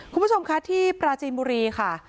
คุณผู้ชมคะที่ปราจีนบุรีค่ะ